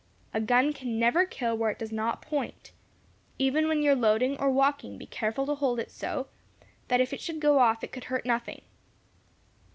A gun can never kill where it does not point. Even when you are loading, or walking, be careful to hold it so, that if it should go off it could hurt nothing."